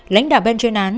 lãnh đạo bên trên án